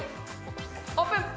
オープン！